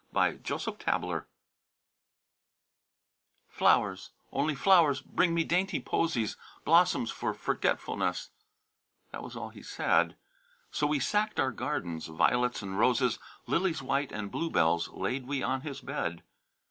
Our Hero "Flowers, only flowers bring me dainty posies, Blossoms for forgetfulness," that was all he said; So we sacked our gardens, violets and roses, Lilies white and bluebells laid we on his bed.